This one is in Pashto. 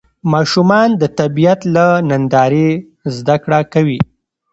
ماشومان د طبیعت له نندارې زده کړه کوي